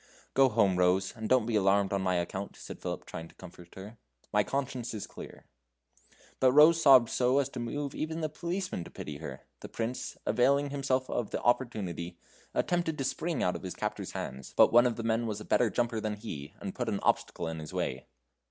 "Go home, Rose, and don't be alarmed on my account," said Philip, trying to comfort her; "my conscience is clear." But Rose sobbed so as to move even the policemen to pity her. The Prince, availing himself of the opportunity, attempted to spring out of his captors' hands, but one of the men was a better jumper than he, and put an obstacle in his way.